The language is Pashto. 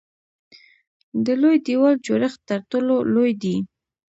د لوی دیوال جوړښت تر ټولو لوی دی.